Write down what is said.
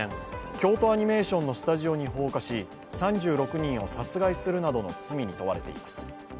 京都アニメーションのスタジオに放火し３６人を殺害するなどの罪に問われています。